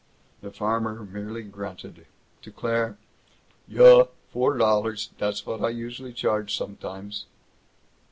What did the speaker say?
The farmer merely grunted. To Claire, "Yuh, four dollars. Dot's what I usually charge sometimes."